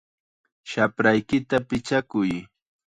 ¡Shapraykita pichakuy!